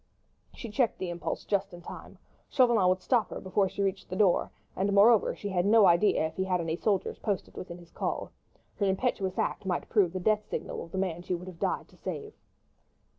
She checked the impulse just in time. Chauvelin would stop her before she reached the door, and, moreover, she had no idea if he had any soldiers posted within his call. Her impetuous act might prove the death signal of the man she would have died to save.